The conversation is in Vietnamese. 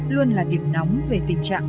luôn là điểm nóng về tình trạng